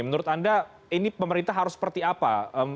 menurut anda ini pemerintah harus seperti apa